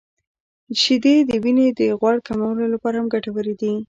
• شیدې د وینې د غوړ کمولو لپاره هم ګټورې دي.